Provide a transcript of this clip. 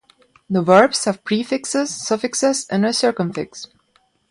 The verbs have prefixes, suffixes and a circumfix.